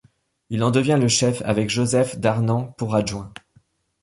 Il en devient le chef, avec Joseph Darnand pour adjoint.